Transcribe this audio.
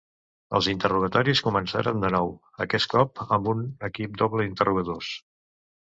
Els interrogatoris començaren de nou, aquest cop amb un equip doble d'interrogadors.